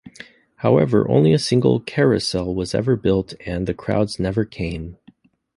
However, only a single carousel was ever built and the crowds never came.